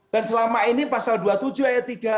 dan selama ini pasal dua puluh tujuh ayat tiga